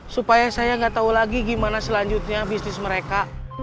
supaya saya gak tau lagi gimana selanjutnya bisnis mereka